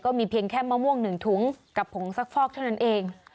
มีเพียงแค่มะม่วง๑ถุงกับผงซักฟอกเท่านั้นเอง